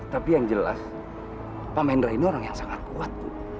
tapi yang jelas pak mahendra ini orang yang sangat kuat